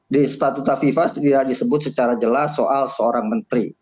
di statuta fifa tidak disebut secara jelas soal seorang menteri